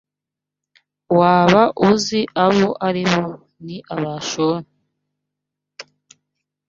waba uzi abo ari bo Ni Abashuri.